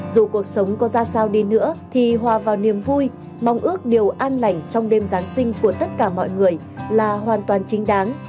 dù cuộc sống có ra sao đi nữa thì hòa vào niềm vui mong ước điều an lành trong đêm giáng sinh của tất cả mọi người là hoàn toàn chính đáng